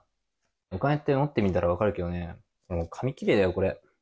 お金って持ってみたら分かるけどね、紙切れだよ、これ。